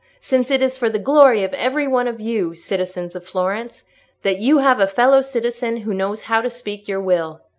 —since it is for the glory of every one of you, citizens of Florence, that you have a fellow citizen who knows how to speak your will."